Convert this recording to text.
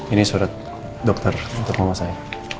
ini surat dokter untuk mama saya